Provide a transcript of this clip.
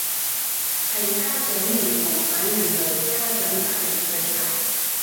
係家長認同反人類，家長責任最大